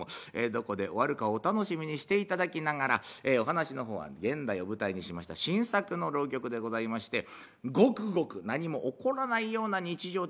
どこで終わるかお楽しみにしていただきながらお噺の方は現代を舞台にしました新作の浪曲でございましてごくごく何も起こらないような日常的な風景でございます。